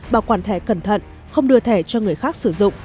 bảo quản thẻ cẩn thận không đưa thẻ cho người khác sử dụng